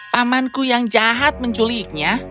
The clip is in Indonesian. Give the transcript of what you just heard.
pamanku yang jahat menculiknya